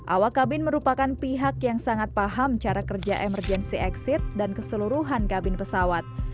awak kabin merupakan pihak yang sangat paham cara kerja emergency exit dan keseluruhan kabin pesawat